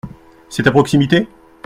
C’est à proximité ?